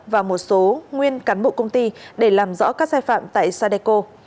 và một số nguyên cán bộ công ty để làm rõ các sai phạm tại sadeco